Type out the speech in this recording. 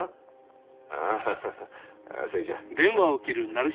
あぁそれじゃ。